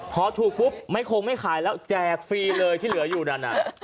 พอถูกปุ๊บไม่คงไม่ขายแล้วแจกฟรีเลยที่เหลืออยู่นั่นน่ะ